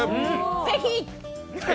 ぜひ！